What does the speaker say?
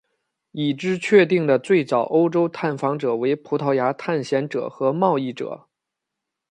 已知确定的最早欧洲探访者为葡萄牙探险者和贸易者。